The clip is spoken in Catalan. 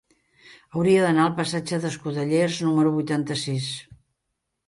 Hauria d'anar al passatge d'Escudellers número vuitanta-sis.